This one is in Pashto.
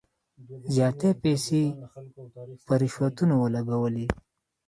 زیاتي پیسې په رشوتونو ولګولې.